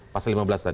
pasal lima belas tadi